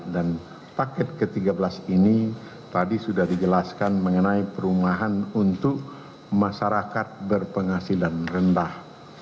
dan paket ke tiga belas ini tadi sudah dijelaskan mengenai perumahan untuk masyarakat berpenghasilan rendah